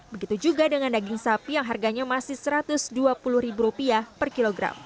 begitu juga dengan daging sapi yang harganya masih rp satu ratus dua puluh per kilogram